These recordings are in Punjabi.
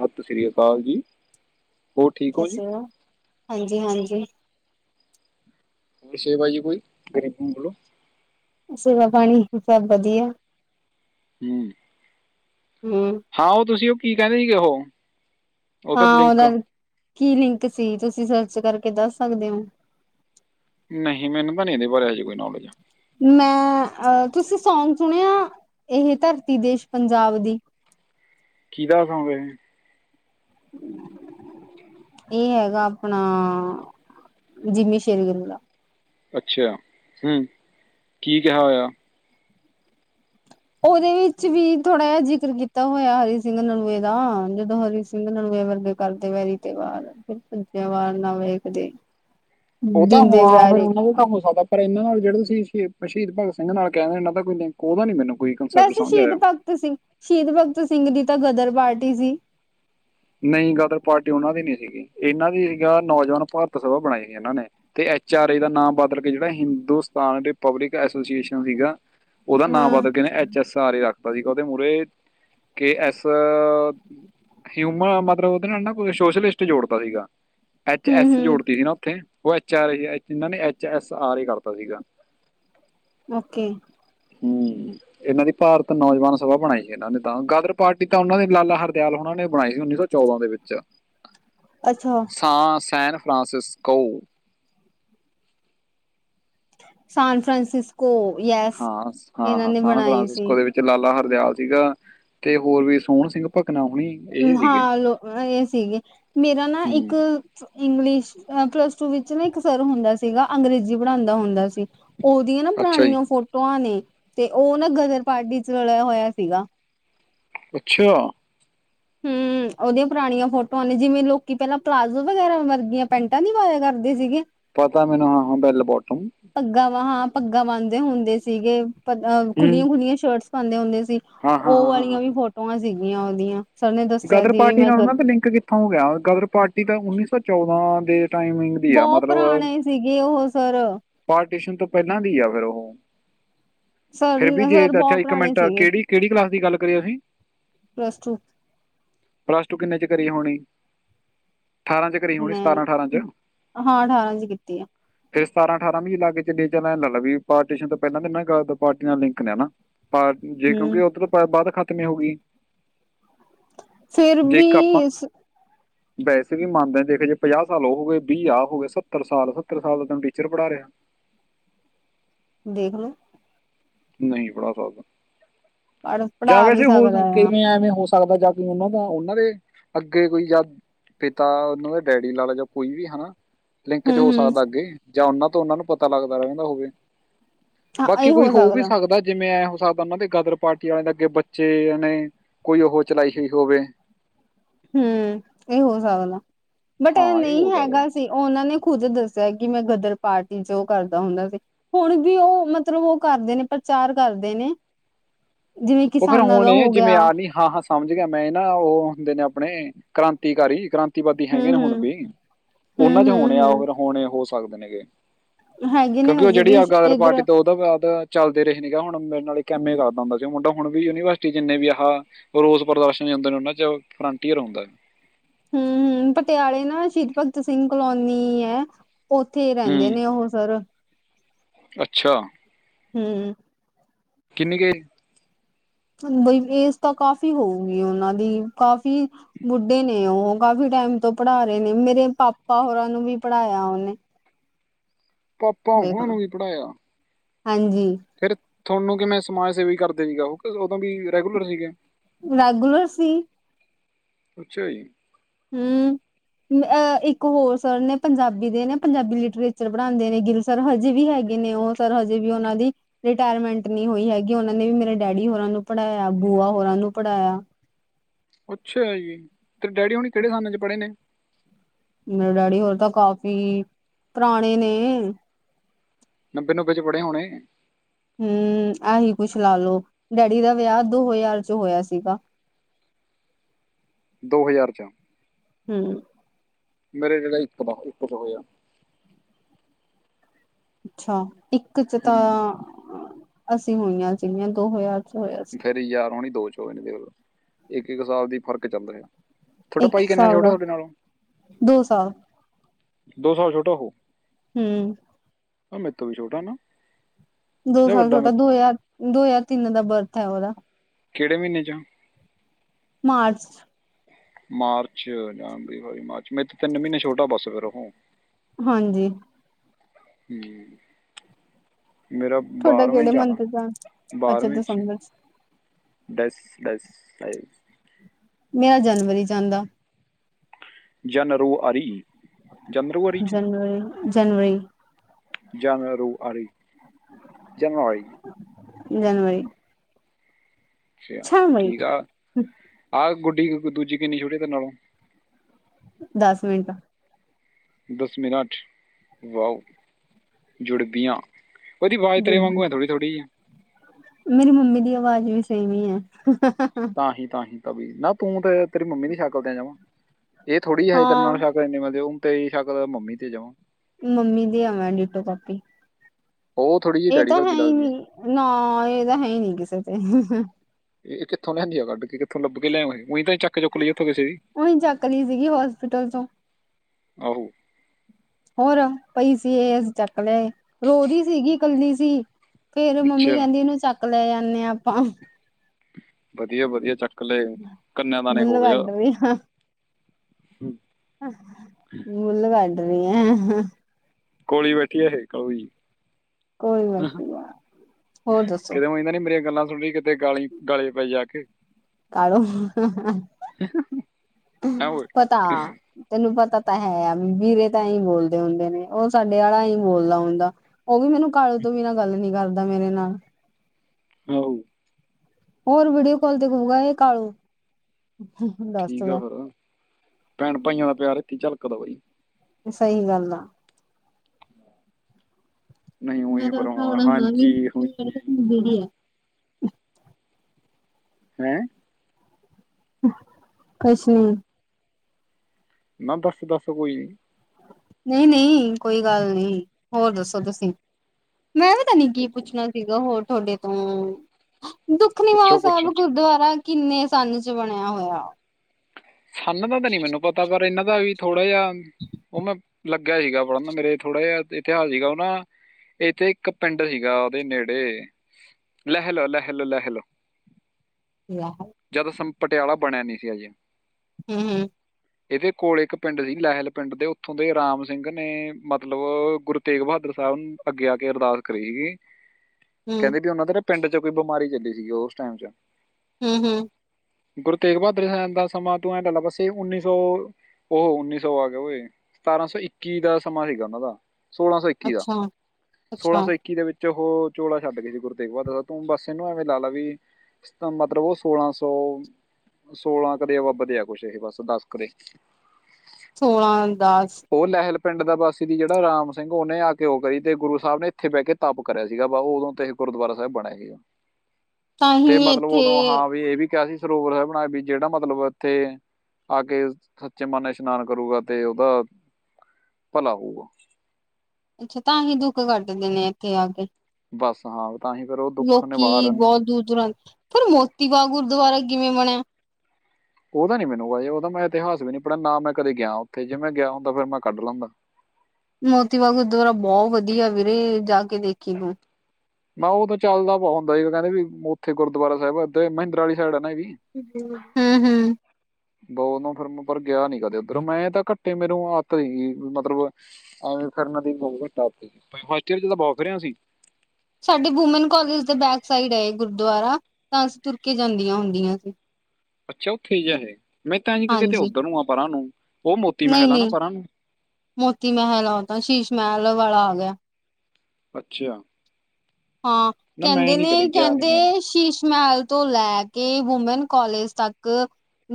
ਸਤ ਸ੍ਰੀ ਅਕਾਲ ਜੀ। ਹੋਰ ਠੀਕ ਜੀ ਕੈਸੇ ਹੋ ਹਾਂਜੀ-ਹਾਂਜੀ ਸੇਵਾ ਜੀ ਕੋਈ ਗਰੀਬਾਂ ਕੋਲੋਂ ਸੇਵਾ ਪਾਣੀ ਸਭ ਵਧੀਆ। ਹਮ। ਹਮ। ਹਾਂ ਉਹ ਤੁਸੀਂ ਉਹ ਕੀ ਕਹਿੰਦੇ ਸੀਗੇ ਉਹੋ? ਹਾਂ ਉਹਦਾ ਕੀ ਲਿੰਕ ਸੀ ਤੁਸੀਂ ਸਰਚ ਕਰਕੇ ਦੱਸ ਸਕਦੇ ਹੋ। ਨਹੀਂ ਮੈਨੂੰ ਤਾਂ ਨਹੀ ਇਹਦੇ ਬਾਰੇ ਹਜੇ ਕੋਈ ਨੌਲੇਜ। ਮੈਂ ਅ ਤੁਸੀਂ ਸੌਂਗ ਸੁਣਿਆ ਇਹ ਧਰਤੀ ਦੇਸ਼ ਪੰਜਾਬ ਦੀ। ਕਿਹਦਾ ਸੌਂਗ ਇਹ? [unintelligible] [inaudible] ਏ ਹੈਗਾ ਆਪਣਾ ਜਿਮੀ ਸ਼ੇਰ ਗਰ ਦਾ। ਅੱਛਾ ਹੁੰ ਕੀ ਕਿਹਾ ਹੋਇਆ? ਓਦੇ ਵਿੱਚ ਵੀ ਥੋੜ੍ਹਾ ਜਿਆ ਜ਼ਿਕਰ ਕੀਤਾ ਹੋਇਆ ਹਰੀ ਸਿੰਘ ਨਲੂਏ ਦਾ ਜਦੋ ਹਰੀ ਸਿੰਘ ਨਲੂਏ ਵਰਗੇ ਕਰਦੇ ਵੈਰੀ ਤੇ ਵਾਰ ਫਿਰ ਭੂੰਕੇ ਵਾਰ ਨਾ ਵੇਖਦੇ। ਓ ਤਾਂ ਦਿੰਦੇ ਹਾ ਫੇਰ ਵੈਰੀ ਉਨੇ ਵੀ ਤਾ ਹੋ ਸਕਦ ਪਰ ਏਨਾਂ ਨਾਲ ਜੇੜੇ ਤੁਸੀ ਸ਼ੀਦ ਸ਼ਹੀਦ ਭਗਤ ਸਿੰਘ ਨਾਲ ਕੈਂ ਇਨਾਂ ਦਾ ਕੋਈ ਲਿੰਕ ਓਦਾ ਨੀ ਮੈਨੂੰ ਕੋਈ ਕਨਸੈਪਟ ਵੈਸੇ ਸਮਝ ਆਇਆ ਸ਼ੀਦ ਭਗਤ ਸਿੰਘ ਸ਼ੀਦ ਭਗਤ ਸਿੰਘ ਦੀ ਤਾਂ ਗਦਰ ਪਾਰਟੀ ਸੀ। ਨਈ ਗਦਰ ਪਾਰਟੀ ਓਨਾਂ ਦੀ ਨਈ ਸੀਗੀ ਏਨਾਂ ਦੀ ਹੀ ਨੌਜਵਾਨ ਭਾਰਤ ਸਭਾ ਬਣਾਈ ਸੀ ਇਨਾਂ ਨੇ ਤੇ ਐਚ ਆਰ ਐ ਦਾ ਨਾਮ ਬਾਰਡਰ ਪੇ ਜਿੜਾ ਹਿੰਦੁਸਤਾਨ ਰਿਪਬਲਿਕ ਐਸੋਸੀਏਸ਼ਨ ਸੀਗਾ। ਓਦਾ ਨਾਂ ਹਾਂ ਬਦਲ ਕੇ ਨਾ ਐਚ ਐਸ ਆਰ ਏ ਰਖ ਤਾ ਸੀ ਕ ਉਦੇ ਮੂਰੇ ਕੇ ਐਸ ਹਿਊਮਾ ਮਤਲਬ ਓਦੇ ਨਾਲ ਨਾ ਕੋਈ ਸੋਸ਼ਲਿਸਟ ਜੋੜਤਾ ਸੀਗਾ ਐਚ ਐਸ ਹਮ-ਹਮ ਜੋੜਤੀ ਸੀ ਨਾ ਥ ਓ ਐਚ ਆਰ ਏ ਇਨਾਂ ਨੇ ਐਚ ਐਸ ਆਰ ਏ ਕਰਤਾ ਸੀਗਾ ਓਕੇ। ਹੁੰ। ਇਨਾਂ ਦੀ ਭਾਰਤ ਨੌਜਵਾਨ ਸਭਾ ਬਣਾਈ ਇਨਾਂ ਨੇ ਤਾਂ ਗਾਦਰ ਪਾਰਟੀ ਤਾਂ ਓਨਾਂ ਨੇ ਲਾਲਾ ਹਰਦਿਆਲ ਹੋਣਾ ਨੇ ਬਣਾਈ ਸੀ ਉੱਨੀ ਸੌ ਚੌਦਾਂ ਦੇ ਵਿੱਚ। ਅੱਛਾ। ਤਾਂ ਸੈਨ ਫ੍ਰਾਂਸਿਸਕੋ ਸਾਨ ਸੰਗ ਸਿਸਕੋ ਯੈਸ ਇਨਾਂ ਨੇ ਬਣਾਈ ਸੀ। ਤੇ ਲਾਲਾ ਹਰਦਿਆਲ ਸੀਗਾ ਤੇ ਹੋਰ ਵੀ ਸੋਹਣ ਸਿੰਘ ਭਕਨਾ ਹੋਣੀ ਹਾਲ ਏ ਸੀਗੇ ਮੇਰਾ ਨਾ ਹੂੰ। ਇੱਕ ਇੰਗਲਿਸ਼, ਪਲੱਸ ਟੂ ਵਿੱਚ ਨਾ ਇੱਕ ਸਰ ਹੁੰਦਾ ਸੀਗਾ ਅੰਗਰੇਜ਼ੀ ਪੜਾਂਦਾ ਹੁੰਦਾ ਸੀ ਓਦੀਆਂ ਨਾ ਅੱਛਾ ਜੀ। ਪੁਰਾਣੀਆਂ ਫੋਟੋਆਂ ਨੇ ਤੇ ਓ ਨਾ ਗਦਰ ਪਾਰਟੀ ਚ ਰਲਿਆ ਹੋਇਆ ਸੀਗਾ ਅੱਛਾ। [unintelligible] [inaudible] ਓਦੀਆਂ ਪੁਰਾਣੀਆਂ ਫੋਟੋਆਂ ਨੇ ਜਿਵੇਂ ਲੋਕੀ ਪੈਲਾਂ ਪਲਾਜ਼ੋ ਵਗੈਰਾ ਵਰਗੀਆਂ ਪੈਂਟਾਂ ਨੀ ਪਾਇਆ ਕਰਦੇ ਸੀਗੇ ਪਤਾ ਮੈਨੂੰ ਹਾਂ ਹਾਂ ਬੈਲ ਬੋਟਮ। ਪੱਗਾਂ ਵਾਂ ਹਾਂ ਪੱਗਾਂ ਬੰਨਦੇ ਹੁੰਦੇ ਸੀਗੇ ਪਗ ਅ ਹੂੰ। ਖੁੱਲੀਆਂ ਖੁੱਲੀਆਂ ਸ਼ਰਟਸ ਪਾਂਦੇ ਹੁੰਦੇ ਸੀ ਓ ਹਾਂ-ਹਾਂ-ਹਾਂ-ਹਾਂ-ਹਾਂ। ਵਾਲੀਆਂ ਵੀ ਫੋਟੋਆਂ ਸੀਗੀਆਂ ਓ ਦੀਆਂ ਗਦਰ ਪਾਰਟੀ ਨਾਲ ਉਨਾਂ ਦਾ ਲਿੰਕ ਕਿੱਥੋਂ ਹੋ ਗਿਆ ਗਦਰ ਪਾਰਟੀ ਤਾ ਉੱਨੀ ਸੌ ਚੌਦਾਂ ਦੇ ਟਾਈਮਿੰਗ ਦੀ ਆ ਬਹੁਤ ਮਤਲਬ ਪੁਰਾਣੇ ਸੀਗੇ ਉਹ ਸਰ ਪਾਰਟੀਸ਼ਨ ਤੋਂ ਪੈਲਾਂ ਦੀ ਆ ਫੇਰ ਓਹੋ ਸਰ ਫੇਰ ਵੀ ਜੇ ਸਰ ਅੱਛਾ ਬਹੁਤ ਇੱਕ ਪੁਰਾਣੇ ਮਿੰਟ ਸੀਗੇ ਕੇੜੀ ਕੇੜੀ ਕਲਾਸ ਦੀ ਗੱਲ ਕਰੀ ਓ ਨੀ ਪਲੱਸ ਟੂ। ਪਲੱਸ ਟੂ ਕਿੰਨੇ ਚ ਕਰੀ ਹੋਣੀ? ਅਠਾਰਾਂ ਚ ਕਰੀ ਹੋਣੀ ਮੈਂ ਸਤਾਰਾਂ, ਠਾਰਾਂ ਚ। ਹਾਂ ਅਠਾਰਾਂ ਚ ਕੀਤੀ ਆ ਫੇਰ ਸਤਾਰਾਂ ਠਾਰਾਂ ਵੀ ਲਾਕੇ ਚੱਲੇ ਚਲ ਐ ਲੈ ਲੈ ਵੀ ਪਾਰਟੀਸ਼ਨ ਤੋਂ ਪੈਲਾਂ ਨਨਾ ਗ ਪਾਰਟੀ ਨਾਲ ਲਿੰਕ ਨੇ ਨਾ। ਪਰ ਜੇ ਕਉਂਗੀ ਹਮ ਉਧਰੋ ਬਾਅਦ ਖਤਮ ਈ ਹੋ ਗੀ। ਫਿਰ ਵੀ ਜੇਕ ਆਪਾਂ ਵੈਸੇ ਵੀ ਮੰਨਦੇ ਦੇਖ ਜੇ ਪੰਜਾਹ ਸਾਲ ਓ ਹੋ ਗਏ ਵੀਹ ਆ ਹੋ ਗਏ ਸੱਤਰ ਸਾਲ ਸੱਤਰ ਸਾਲ ਦਾ ਤੈਨੂੰ ਟੀਚਰ ਪੜ੍ਹਾ ਰਿਆ। ਦੇਖ ਲੋ। ਨਈ ਬੜਾ ਸਾਦਾ ਪੜ ਜਾਂ ਪੜ੍ਹਾ ਵੀ ਵੈਸੇ ਹੋ ਸਕਦਾ [unintelligible] ਆ ਕਿਵੇਂ ਆਂਵਾ ਹੋ ਸਕਦਾ ਜਾਂ ਕੋਈ ਓਨਾਂ ਦਾ ਓਨਾਂ ਦੇ ਅੱਗੇ ਕੋਈ ਜਾਂ ਪਿਤਾ ਉਹਨੂੰ ਐ ਡੈਡੀ ਨਾਲ ਜਾਂ ਕੋਈ ਵੀ ਹਨਾ। ਲਿੰਕ ਚ ਹਮ ਹੋ ਹਮ ਸਕਦਾ ਅੱਗੇ ਜਾਂ ਉਹਨਾਂ ਤੋਂ ਉਹਨਾਂ ਨੂੰ ਪਤਾ ਲੱਗਦਾ ਰਹਿੰਦਾ ਹੋਵੇ। ਬਾਕੀ ਕੋਈ ਹੋ ਵੀ ਸਕਦਾ ਜਿਵੇਂ ਐਂ ਹੋ ਸਕਦਾ ਉਹਨਾਂ ਦੇ ਗਦਰ ਪਾਰਟੀ ਵਾਲਿਆਂ ਦੇ ਅੱਗੇ ਬੱਚੇ ਨੇ ਕੋਈ ਉਹ ਚਲਾਈ ਹੋਈ ਹੋਵੇ। ਹੂੰ ਇਹ ਹੋ ਸਕਦਾ ਬਟ ਇਹ ਹਾਂ ਹੋ ਨਹੀਂ ਸਕਦਾ ਹੈਗਾ ਸੀ। ਉਹਨਾਂ ਨੇ ਖੁੱਦ ਦੱਸਿਆ ਕਿ ਮੈਂ ਗਦਰ ਪਾਰਟੀ ਚ ਉਹ ਕਰਦਾ ਹੁੰਦਾ ਸੀ। ਹੁਣ ਵੀ ਉਹ ਮਤਲਬ ਉਹ ਕਰਦੇ ਨੇ ਪ੍ਰਚਾਰ ਕਰਦੇ ਨੇ। ਜਿਵੇਂ ਉਹ ਫੇਰ ਕਿਸਾਨਾਂ ਹੁਣ ਦਾ ਏ ਹੋ ਜਿਵੇਂ ਗਿਆ ਆ ਨੀ ਹਾ ਹਾ। ਸਮਝ ਗਿਆ ਮੈਂ ਨਾ ਉਹ ਹੁੰਦੇ ਨੇ ਆਪਣੇ ਕ੍ਰਾਂਤੀਕਾਰੀ ਕ੍ਰਾਂਤੀ। ਖੇਤੀਵਾਦੀ ਹੂੰ ਹੈਗੇ ਨਾ ਹੂੰ ਹੁਣ ਬੀ ਹੂੰ ਉਹਨਾਂ ਚ ਹੂੰ ਹੋਣੇ ਆ ਫਿਰ ਹੂੰ ਹੋਣੇ ਹੋ ਸਕਦੇ ਨੇਗੇ। ਹੈਗੇ ਨੇ ਕਿਉਂਕਿ ਉਹ ਹਜੇ ਜਿਹੜੀ ਵੀ ਅਗਾਦਰ ਇੱਧਰ ਪਾਰਟੀ ਤੋਂ ਉਹ ਤੋਂ ਬਾਅਦ ਚੱਲਦੇ ਰਹੇ ਨੇਗੇ ਹੁਣ ਮੇਰੇ ਨਾਲੇ ਇਕ ਐਮਏ ਕਰਦਾ ਹੁੰਦਾ ਸੀ ਮੁੰਡਾ। ਹੁਣ ਵੀ ਯੂਨੀਵਰਸਿਟੀ ਜਿੰਨੇ ਵੀ ਆਹ ਰੋਸ ਪ੍ਰਦਰਸ਼ਨ ਜਾਂਦੇ ਨੇ ਉਹਨਾਂ ਚ ਫਰੰਟੀਅਰ ਹੁੰਦਾ। ਹੂੰ ਹੂੰ ਪਟਿਆਲੇ ਨਾ ਸ਼ਹੀਦ ਭਗਤ ਸਿੰਘ ਕਲੋਨੀ ਹੈ। ਉੱਥੇ ਹੀ ਰਹਿੰਦੇ ਹੂੰ ਨੇ ਉਹ ਸਰ। ਅੱਛਾ। ਹੂੰ ਕਿੰਨੀ ਕ ਏਹ ਬਈ ਏਜ਼ ਤਾਂ ਕਾਫ਼ੀ ਹੋਊਗੀ ਉਹਨਾਂ ਦੀ ਕਾਫ਼ੀ। ਬੁੱਢੇ ਨੇ ਉਹ ਕਾਫੀ ਟਾਈਮ ਤੋਂ ਪੜ੍ਹਾ ਰਹੇ ਨੇ ਮੇਰੇ ਪਾਪਾ ਹੋਰਾਂ ਨੂੰ ਵੀ ਪੜ੍ਹਾਇਆ ਉਹਨੇ। ਪਾਪਾ ਵੇਖ ਹੋਣਾ ਲੋ ਨੂੰ ਵੀ ਪੜ੍ਹਾਇਆ। ਹਾਂਜੀ। ਫਿਰ ਤੁਹਾਨੂੰ ਕਿਵੇਂ ਸਮਾਜ ਸੇਵੀ ਕਰਦੇ ਸੀਗਾ ਉਦੋਂ ਵੀ ਰੈਗੂਲਰ ਸੀਗੇ। ਰੈਗੂਲਰ ਸੀ। ਅੱਛਾ ਜੀ। ਹੂੰ ਅ ਇੱਕ ਹੋਰ ਸਰ ਨੇ ਪੰਜਾਬੀ ਦੇ ਨੇ ਪੰਜਾਬੀ ਲਿਟਰੇਚਰ ਪੜਾਉਂਦੇ ਨੇ ਗਿਰ ਸਰ ਹਜੇ ਵੀ ਹੈਗੇ ਨੇ ਉਹ ਸਰ ਹਜੇ ਵੀ ਉਹਨਾਂ ਦੀ। ਰਿਟਾਇਰਮੈਂਟ ਨਹੀਂ ਹੋਈ ਹੈਗੀ ਉਹਨਾਂ ਨੇ ਵੀ ਮੇਰੇ ਡੈਡੀ ਹੋਰਾਂ ਨੂੰ ਪੜ੍ਹਾਇਆ ਬੂਆ ਹੋਰਾਂ ਨੂੰ ਪੜ੍ਹਾਇਆ। ਅੱਛਾ ਜੀ ਤੇ ਡੈਡੀ ਹੁਣੀ ਕਿਹੜੇ ਸਨ ਚ ਪੜ੍ਹੇ ਨੇ। ਮੇਰੇ ਡੈਡੀ ਹੋਰੀ ਤਾਂ ਕਾਫੀ ਪੁਰਾਣੇ ਨੇ। ਨੱਬੇ ਨੁਬੇ ਚ ਪੜੇ ਹੋਣੇ। ਹੂੰ ਐਹੀ ਕੁਛ ਲਾ ਲੋ ਡੈਡੀ ਦਾ ਵਿਆਹ ਦੋ ਹਜ਼ਾਰ ਚ ਹੋਇਆ ਸੀਗਾ। ਦੋ ਹਜ਼ਾਰ ਚ। ਹੂੰ ਮੇਰੇ ਡੈਡੀ ਦਾ ਇੱਕ ਦਾ ਇੱਕ ਚ ਹੋਇਆ। ਅੱਛਾ ਇੱਕ ਚ ਹੂੰ ਤਾਂ ਅਸੀਂ ਹੋਈਆਂ ਸੀਗੀਆਂ ਦੋ ਹਜ਼ਾਰ। ਚ ਹੋਇਆ ਸੀ। ਡੈਡੀ ਦੇ ਯਾਰ ਹੋਣੀ ਦੋ ਚ ਹੋਏ ਨੇ ਇੱਕ ਇੱਕ ਸਾਲ ਦੀ ਫ਼ਰਕ ਚੱਲ ਰਿਹਾ। ਥੋਡਾ ਇੱਕ ਭਾਈ ਕਿੰਨਾ ਸਾਲ ਛੋਟਾ ਦਾ ਥੋਡੇ ਨਾਲੋਂ ਦੋ ਸਾਲ ਦੋ ਸਾਲ ਛੋਟਾ ਹੋਉ ਹੂੰ ਉਹ ਮੇਰੇ ਤੋਂ ਵੀ ਛੋਟਾ ਨਾ। ਦੋ ਜਾਂ ਸਾਲ ਵੱਡਾ ਛੋਟਾ ਮੇਰੇ ਤੋਂ ਦੋ ਹਜ਼ਾਰ ਦੋ ਹਜ਼ਾਰ ਤਿੰਨ ਦਾ ਬਰਥ ਹੈ ਉਦਾ। ਕਿਹੜੇ ਮਹੀਨੇ ਚ? ਮਾਰਚ ਚ। ਮਾਰਚ ਜਨਵਰੀ ਫਰਵਰੀ ਮਾਰਚ ਮੇਰੇ ਤੇ ਤਿੰਨ ਮਹੀਨੇ ਛੋਟਾ ਬੱਸ ਫੇਰ ਉਹੋ। ਹਾਂਜੀ। [inaudible] ਮੇਰਾ ਤੁਹਾਡਾ ਬਾਰਵੇ ਕਿਹੜੇ ਜਾਨਾ, ਮੰਥ ਚ ਆ? ਅੱਛਾ ਬਾਰਵੇ ਚ। ਦਸੰਬਰ ਬਸ-ਬਸ, ਆਈ। ਮੇਰਾ ਜਨਵਰੀ ਚ ਆਦਾ। ਜਾਨ ਰੋ ਆਰੀ। ਜਨਵਰੀ-ਜਨਵਰੀ। ਜਨ ਰੋ ਆਰੀ ਜੋਨਵਰੀ। ਜਨਵਰੀ। ਛਾ ਠੀਕ ਆ, ਆ ਗੁੱਡੀ ਦੂਜੀ ਕਿੰਨੀ ਛੋਟੀ ਛੋਟੇ ਦੇ ਨਾਲੋਂ? ਦੱਸ ਮਿੰਟ। ਦਸ ਮਿੰਟ ਵਾਓ ਜੁੜਬੀਆ। ਓਦੀ ਵਾਜ ਜੁੜ ਤੇਰੇ ਗਈ ਵਾਗੂ ਆ, ਥੋੜੀ-ਥੋੜੀ। ਮੇਰੀ ਮੰਮੀ ਦੀ ਅਵਾਜ ਵੀ ਸੇਮ ਈ ੲੈ। ਤਾਹੀ-ਤਾਹੀ ਤਾ ਵੀ ਨਾ, ਤੂੰ ਤੇ ਤੇਰੀ ਮੰਮੀ ਵੀ ਸੈਕਲ ਤੇ ਜਾਓ, ਏ ਥੋੜੀ ਹੈਹੇ ਕਰਨ ਸੈ ਹਾਂ [unintelligible] ਤੇਰੀ ਸੈਕਲ ਮੰਮੀ ਤੇ ਜਾਉ। ਮੰਮੀ ਦੀ ਆ ਮੈ ਡੀਟੋ ਕਾਪੀ। ਉਹ ਥੋੜੀ ਜਿਹੀ ਏਹ ਡੈਡੀ ਤਾਂ ਵਰਗੀ ਹੈਈ ਲੱਗਦੀ ਨੀ ਹੈ ਨਾ, ਏ ਤਾਂ ਹੈਈ ਨੀ ਕਿਸੇ ਤੇ। ਏ ਕਿੱਥੋਂ ਲੇਆਦੀ ਆ, ਕੱਢ ਕੇ ਕਿੱਥੋਂ ਲੱਗ ਲੇਆ ਏ ਹੋਏ, ਉਈ ਤਾਂ ਈ ਚੱਕ-ਚੁੱਕ ਲਈ ਉੱਥੋਂ ਕਿਸੇ ਦੀ। ਉਈ ਚੱਕ ਲਈ ਸੀਗੀ ਹੋਸਪਿਟਲ ਚੋ। ਆਹੋ। ਹੋਰ ਪਈ ਸੀ, ਏ ਅਸ ਚੱਕ ਲੇਆਏ, ਰੋ ਰੀ ਸੀਗੀ, ਕੱਲੀ ਸੀ। ਫੇਰ ਮੰਮੀ ਅੱਛਾ ਕੈੰਦੀ, ਏਨੂੰ ਚੱਕ ਲੈ, ਯਾਨੇ ਅਪਾ। ਵਧੀਆ-ਵਧੀਆ, ਚੱਕ ਲੇ, ਕੰਨੇਆ ਦਾਣ ਈ ਹੋ ਬੁੱਲ ਗੇਆ। [unintelligible] ਮੁਲਵਾਡਰੀ ਐ। ਕੋਲ ਈ ਬੈਠੀ ਏਹੇ, ਕਾਫੀ। ਕੋਈ ਮਤੀ ਆ ਹੋਰ ਦੱਸੋ। ਕਿਤੇ ਉਹੀ ਤਾਂ ਨੀ ਮੇਰੀਆਂ ਗੱਲਾਂ ਸੁਣ ਰਈ ਕਿ। ਤੇ ਗਾਲ ਹੀ ਗਲੇ ਪੈ ਜਾ ਕੇ। ਕਾਲੋ, ਐ ਓਏ ਪਤਾ। ਤੇਨੂੰ ਪਤਾ ਤਾਂ ਹੈ, ਆ ਵੀਰੇ ਤਾਂ ੲੈਈ ਬੋਲਦੇ ਹੁੰਦੇ ਨੇ, ਓ ਸਾਡੇ ਆਲਾ ੲੈਈ ਬੋਲਦਾ ਹੁੰਦਾ। ਓ ਵੀ ਮੈਨੂੰ ਕਾਲ ਤੋਂ ਬਿਨਾਂ ਗੱਲ ਨੀ ਕਰਦਾ ਮੇਰੇ ਨਾਲ। ਆਹੋ। ਹੋਰ ਵੀਡੀਓ ਕੋਲ ਤੇ ਕੁਗਾ ਏ ਕਾਲੋ। [inaudible] ਠੀਕ ਆ, ਫੇਰ ਭੈਣ-ਭਾਈਆਂ ਦਾ ਪੇਆਰ ਏਦਾ ਈ ਝਲਕਦਾ ਬਾਈ। ਸਈ ਗੱਲ ਆ। ਨਹੀਂ ਮੈ ਹੋਈ ਤਾ ਫਿਰ ਆਖਾ ਹੁਣ ਉਲਾ ਹੋਣਾ ਨੀ ਹਾਂਜੀ ਤੁਹੀ, ਹੋਈ [unintelligible] ਤੂੰ ਮੁਰੇਆ। ਹੈ। ਕੋਛ ਨੀ। ਨਾ, ਪਸੋਂ ਦੱਸ ਹੋਈ। ਨਈ-ਨਈ, ਕੋਈ ਗੱਲ ਨੀ, ਹੋਰ ਦੱਸੋ ਤੁਸੀ। ਮੈਂ ਪਤਾ ਨੀ ਕੀ ਪੁੱਛਣਾ ਸੀਗਾ ਹੋਰ ਥੋਡੇ ਤੋ। ਦੁੱਖ ਪੁੱਛੋ ਨਿਵਾਰ ਪੁੱਛੋ ਸੈਬ ਗੁਦਵਾਰਾ ਕਿੰਨੇ ਸੰਨ ਚ ਬਣੇਆ ਹੋਏਆ? ਸੰਨ ਦਾ ਤਾਂ ਨੀ ਮੈਨੂੰ ਪਤਾ, ਪਰ ਏਨਾਂ ਤਾ ਵੀ ਥੋੜਾ ਯਾ, ਉ ਮੈ। ਲੱਗਿਆ ਸੀਗਾ ਪੜ੍ਹਨ ਮੇਰੇ ਥੋੜਾ ਜਿਹਾ ਇਤਿਹਾਸ ਸੀਗਾ ਉਹ ਨਾ ਇੱਥੇ ਇੱਕ ਪਿੰਡ ਸੀਗਾ, ਉਹਦੇ ਨੇੜੇ ਲੈਹਿਲੋ ਲੈਹਿਲੋ ਲੈਹਿਲੋ ਆ ਜਦੋਂ ਪਟਿਆਲਾ ਬਣਿਆ ਨੀ ਸੀ ਅਜੇ ਹੂ ਹੂ ਇਹਦੇ ਕੋਲ ਇੱਕ ਪਿੰਡ ਸੀ ਲਹਿਲ ਪਿੰਡ, ਦੇ ਉੱਥੋਂ ਦੇ ਰਾਮ ਸਿੰਘ ਨੇ ਮਤਲਬ ਗੁਰ ਤੇਗ ਬਹਾਦਰ ਸਾਹਿਬ ਨੂੰ ਅੱਗੇ ਆ ਕੇ ਅਰਦਾਸ ਕਰੀ ਸੀਗੀ ਹੂੰ ਕਹਿੰਦੇ ਕੀ ਉਹਨਾਂ ਦਾ ਨਾ ਪਿੰਡ ਚ ਕੋਈ ਬਿਮਾਰੀ ਚੱਲੀ ਸੀਗੀ ਉਸ ਟਾਈਮ ਚ ਹੂ ਹੂ ਗੁਰੂ ਤੇਗ ਬਹਾਦਰ ਸਾਹਿਬ ਦਾ ਸਮਾਂ ਤੂੰ ਐਂ ਲ ਲ ਬਸੇ ਉੱਨੀ ਸੌ ਉਹ ਉੱਨੀ ਸੌ ਆ ਗ ਹੋਏ ਸਤਾਰਾਂ ਸੌ ਇੱਕੀ ਦਾ ਸਮਾਂ ਸੀਗਾ ਉਹਨਾਂ ਦਾ, ਸੋਲਾਂ ਸੌ ਇੱਕੀ ਦਾ ਅੱਛਾ ਸੋਲਾਂ ਅੱਛਾ ਸੌ ਇੱਕੀ ਦੇ ਵਿੱਚ ਚੋ ਚੋਲਾ ਛੱਡ ਗਏ ਸੀ ਗੁਰੂ ਤੇਗ ਬਹਾਦਰ, ਤੂੰ ਬਸ ਇਹਨੂੰ ਐਵੇਂ ਲਾ ਲਾ ਵੀ ਇਸਦਾ ਮਤਲਬ ਉਹ ਸੋਲਾਂ ਸੌ ਸੋਲਾਂ ਕਦੇ ਵੱ ਵ ਦੇਆ ਕੁਛ ਇਹ ਬਸ ਦੱਸ ਕਦੇ ਸੋਲਾਂ ਦਾਸ ਉਹ ਲਹਿਲ ਪਿੰਡ ਦਾ ਵਾਸੀ ਦੀ ਜਿਹੜਾ ਰਾਮ ਸਿੰਘ ਉਹਨੇ ਆ ਕੇ ਉਹ ਕਰੀ ਤੇ ਗੁਰੂ ਸਾਹਿਬ ਨੇ ਇੱਥੇ ਬਹਿ ਕੇ ਤਪ ਕਰਿਆ ਸੀਗਾ ਵਾ, ਉਦੋਂ ਤੇ ਇਹ ਗੁਰਦੁਆਰਾ ਸਾਹਿਬ ਬਣਿਆ ਸੀਗਾ ਤਾਂ ਤੇ ਹੀ ਮਤਲਬ ਇੱਥੇ ਉਦੋਂ ਹਾਂ ਵੀ ਇਹ ਵੀ ਕਿਹਾ ਸੀ ਸਰੋਵਰ ਬਣਾ ਵੀ ਜਿਹੜਾ ਮਤਲਬ ਮਤਲਬ ਇੱਥੇ ਆ ਕੇ ਸੱਚੇ ਮਨ ਇਸ਼ਨਾਨ ਕਰੂਗਾ ਤੇ ਉਹਦਾ ਭਲਾ ਹੋਊਗਾ ਅੱਛਾ ਤਾਂਹੀ ਦੁੱਖ ਕੱਢਦੇ ਨੇ ਇੱਥੇ ਆ ਕੇ ਬਸ ਹਾਂ ਤਾਂਹੀ ਫਿਰ ਔ ਲੋਕੀ ਬਹੁਤ ਦੂਰ ਦੂਰ ਆਂਦੇ, ਫਿਰ ਮੋਤੀ ਬਾਗ਼ ਗੁਰਦੁਆਰਾ ਕਿਵੇਂ ਬਣਿਆ? ਉਹਦਾ ਨੀ ਮੈਨੂੰ ਵਾ ਉਹ ਦਾ ਇਤਿਹਾਸ ਵੀ ਪੜਿਆ, ਨਾ ਮੈਂ ਕਦੇ ਗਿਆ ਉੱਥੇ ਜੇ ਮੈਂ ਗਿਆ ਹਦਾ ਫਿਰ ਮੈਂ ਕੱਢ ਲੈਂਦਾ ਮੋਤੀਬਾਗ ਗੁਰਦੁਆਰਾ ਬਹੁਤ ਵਧੀਆ ਵੀਰੇ, ਜਾ ਕੇ ਦੇਖੀ ਤੁ ਮ ਉਹ ਤਾਂ ਚੱਲਦਾ ਹੁੰਦਾ ਸੀਗਾ ਕਹਿੰਦੇ ਵੀ ਉੱਥੇ ਗੁਰਦੁਆਰਾ ਸਾਹਿਬ ਮਿੰਦਰ ਵਾਲੀ ਸਾਈਡ ਹੈ ਨਾ ਐ ਵੀ ਹੂ ਹੂ ਬ ਉਹਨੋਂ ਫਿਰ ਮ, ਪਰ ਗਿਆ ਨੀ ਕਦੇ ਉੱਧਰ ਮੈਂ ਤਾਂ ਘੱਟੇ ਮੇਨੂੰ ਆਤ ਨੀ ਮਤਲਬ ਐਵੇਂ ਫਿਰਨਾ ਵੀ ਬਹੁਤ ਵੱਡਾ ਟਾਸ੍ਕ ਹੈ ਜੀ, ਪਰ ਹਿਮਾਚਲ ਚ ਤਾਂ ਬਹੁਤ ਫਿਰੇ ਆਂ ਅਸੀ ਸਾਡੇ ਵੂਮੈਨ ਕਾਲਜ ਦੇ ਬੈਕ ਸਾਈਡ ਹੈ, ਏ ਗੁਰਦੁਆਰਾ ਤਾਂ ਅਸੀਂ ਤੁਰ ਕੇ ਜਾਂਦੀਆਂ ਹੁੰਦੀਆਂ ਸੀ ਅੱਛਾ ਉੱਥੇ ਹੀ ਜਾ ਹੈ, ਮੈਂ ਤਾਂ ਜੀ ਕਿਤੇ ਹਾਂਜੀ ਉੱਧਰ ਨੂੰ ਆ ਪਰਾਂ ਨੂੰ ਉਹ ਮੋਤੀ ਨਹੀਂ ਮਹਿਲ ਆ ਨਾ ਨਹੀਂ ਪਰਾਂ ਨੂੰ ਮੋਤੀ ਮਹਿਲ ਆ ਤਾਂ, ਸ਼ੀਸ਼ ਮਹਿਲ ਵਾਲਾ ਆ ਗਿਆ ਅੱਛਾ ਹਾਂ ਨਾ ਮੈਂ ਕਹਿੰਦੇ ਨਹੀਂ ਕਦੇ ਨੇ ਗਿਆ ਨਹੀਂ ਮੈਂ ਕਹਿੰਦੇ ਸ਼ੀਸ਼ ਮਹਿਲ ਤੋਂ ਲੈ ਕੇ, ਵੂਮੈਨ ਕਾਲਜ ਤੱਕ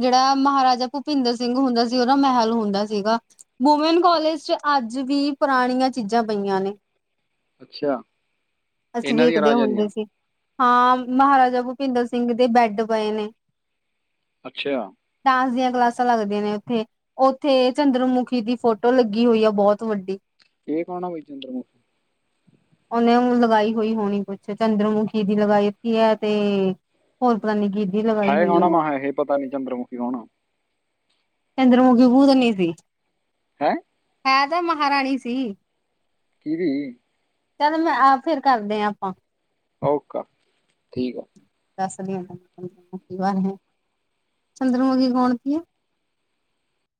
ਜਿਹੜਾ ਮਹਾਰਾਜਾ ਭੁਪਿੰਦਰ ਸਿੰਘ ਹੁੰਦਾ ਸੀ, ਉਹ ਨਾ ਮਹਿਲ ਹੁੰਦਾ ਸੀਗਾ ਵੂਮੈਨ ਕਾਲਜ ਚ ਅੱਜ ਵੀ ਪੁਰਾਣੀਆਂ ਚੀਜ਼ਾਂ ਪਈਆਂ ਨੇ ਅੱਛਾ ਅਸੀਂ ਇਹਨਾਂ ਦੀਆਂ ਵੇਖਦੇ ਰਾਜਾ ਹੁੰਦੇ ਦੀਆਂ ਸੀ, ਹਾਂ ਮਹਾਰਾਜਾ ਭੁਪਿੰਦਰ ਸਿੰਘ ਦੇ ਬੈਡ ਪਏ ਨੇ ਅੱਛਾ ਡਾਂਸ ਦੀਆਂ ਕਲਾਸਾਂ ਲੱਗਦੀਆਂ ਨੇ ਉੱਥੇ ਔਥੇ ਚੰਦਰਮੁਖੀ ਦੀ ਫੋਟੋ ਲੱਗੀ ਹੋਈ ਆ ਬਹੁਤ ਵੱਡੀ ਇਹ ਕੌਣ ਆ ਬਈ ਚੰਦਰਮੁਖੀ ਉਹਨੇ ਲਗਾਈ ਹੋਈ ਹੋਣੀ ਕੁਛ ਚੰਦਰਮੁਖੀ ਦੀ ਲਗਾਈ ਦਿੱਤੀ ਏ ਤੇ ਹੋਰ ਪਤਾ ਨੀ ਕਿਦੀ ਲਗਾ ਹੈ ਕੌਣਾ ਆ ਮਹਾ ਏਹੇ ਪਤਾ ਨੀ ਚੰਦਰਮੁਖੀ ਕੌਣ‌ ਆ ਚੰਦਰਮੁਖੀ ਭੂਤਨੀ ਸੀ ਹਐ ਹੈ ਤਾਂ ਮਹਾਰਾਣੀ ਸੀ ਕਿਦੀ ਚੱਲ ਮੈਂ ਆਪ ਫੇਰ ਕਰਦੇ ਆ ਆਪਾਂ ਓਕਾ ਠੀਕ ਆ ਦੱਸਦੀ ਆ ਚੰਦਰਮੁਖੀ ਬਾਰੇ ਚੰਦਰਮੁਖੀ ਕੌਣ ਤੀ